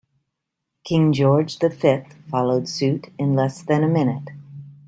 "King George the Fifth" followed suit in less than a minute.